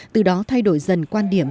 từ đó thay đổi dần quan điểm